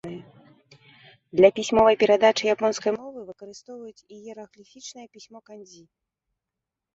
Для пісьмовай перадачы японскай мовы выкарыстоўваюць іерагліфічнае пісьмо кандзі.